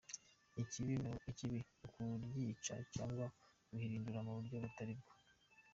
Ikibi ni ukuryica cyangwa kurihindura mu buryo butari bwo.